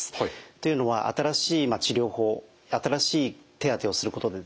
というのは新しい治療法新しい手当てをすることでですね